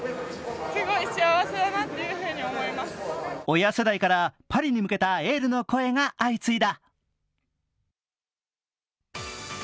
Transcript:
親世代からパリに向けたエールの声が相次いだ。